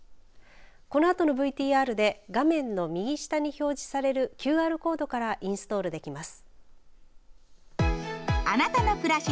このあとのＶＴＲで画面の右下に表示されるＱＲコードからインストールできます。